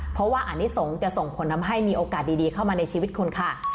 เพราะว่าอันนี้สงฆ์จะส่งผลทำให้มีโอกาสดีเข้ามาในชีวิตคุณค่ะ